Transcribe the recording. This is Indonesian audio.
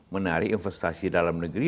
menarik investasi dalam negeri